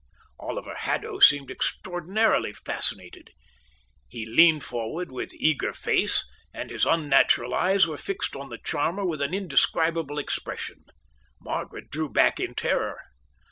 Oliver Haddo seemed extraordinarily fascinated. He leaned forward with eager face, and his unnatural eyes were fixed on the charmer with an indescribable expression. Margaret drew back in terror.